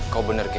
kau benar keh